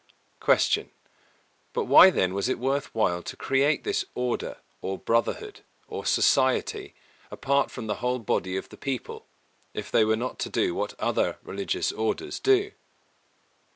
257. Q. _But why then was it worth while to create this Order, or Brotherhood, or Society, apart from the whole body of the people, if they were not to do what other religious orders do?